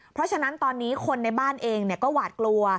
เพราะฉะนั้นตอนนี้คนในบ้านเองก็หวาดกลัว